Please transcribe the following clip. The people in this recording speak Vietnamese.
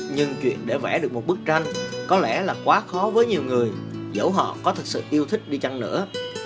nhưng chuyện để vẽ được một bức tranh có lẽ là quá khó với nhiều người dẫu họ có thực sự yêu thích đi chăng nữa